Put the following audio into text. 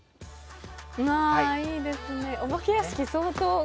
いいですね、お化け屋敷